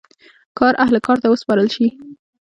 کار اهل کار ته وسپارل شي.